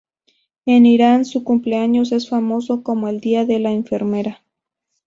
En Irán, su cumpleaños es famoso como el día de la enfermera.